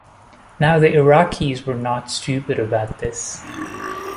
Now the Iraqis were not stupid about this.